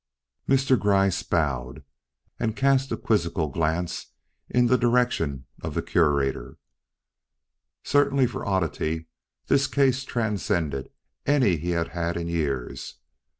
Mr. Gryce bowed, and cast a quizzical glance in the direction of the Curator. Certainly for oddity this case transcended any he had had in years.